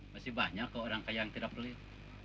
masih banyak kok orang kaya yang tidak beli